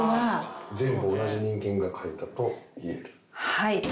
「はい」